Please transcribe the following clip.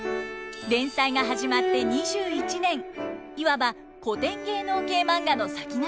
連載が始まって２１年いわば古典芸能系マンガの先駆けです。